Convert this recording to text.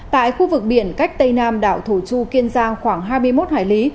tại khu vực biển cách tây nam đảo thổ chu kiên giang khoảng hai mươi một hải lý